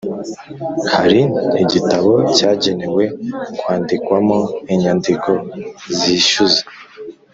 Hari igitabo cyagenewe kwandikwamo inyandiko zishyuza